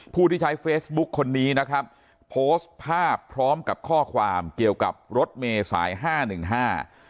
ผู้ที่ใช้เฟซบุ๊กคนนี้นะครับโพสต์ภาพพร้อมกับข้อความเกี่ยวกับรถเมษายห้าหนึ่งห้า